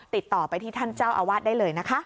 ติดต่อไปที่ท่านเจ้าอาวาสได้เลยนะคะ